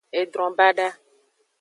Edron bada.